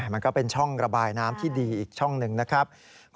มันก็เป็นช่องระบายน้ำที่ดีอีกช่องหนึ่งนะครับ